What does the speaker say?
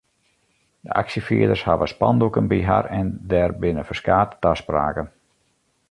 De aksjefierders hawwe spandoeken by har en der binne ferskate taspraken.